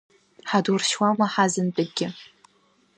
Ҳадуршьуама ҳазынтәыкгьы?!